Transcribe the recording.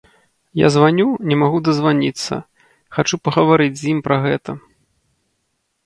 Я званю, не магу дазваніцца, хачу пагаварыць з ім пра гэта.